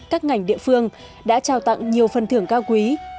các ngành địa phương đã trao tặng nhiều phần thưởng cao quý